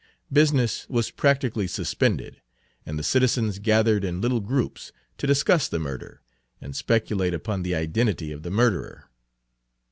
Business was practically suspended, and the citizens gathered in little groups to discuss the murder, and speculate upon the identity of the murderer.